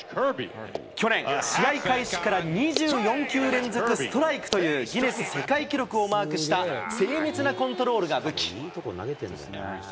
去年、試合開始から２４球連続ストライクという、ギネス世界記録をマークした精密なコントロールが武器。